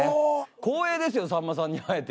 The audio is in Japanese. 光栄ですよさんまさんに会えて。